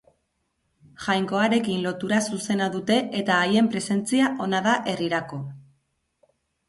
Jainkoarekin lotura zuzena dute eta haien presentzia ona da herrirako.